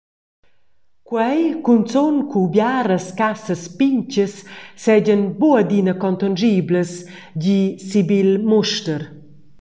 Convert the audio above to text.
Quei cunzun cu biaras cassas pintgas seigien buc adina contonschiblas, gi Sybille Muster.